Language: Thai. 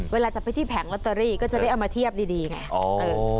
เวลาจะไปที่แผงลอตเตอรี่ก็จะได้เอามาเทียบดีไง